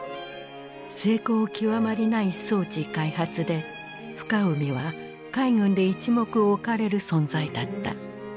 精巧極まりない装置開発で深海は海軍で一目置かれる存在だった。